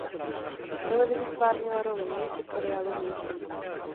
V televizi ztvárnila roli Moniky v seriálu "Ulice".